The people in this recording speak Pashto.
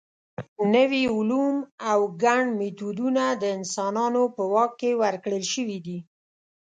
نوي علوم او ګڼ میتودونه د انسانانو په واک کې ورکړل شوي دي.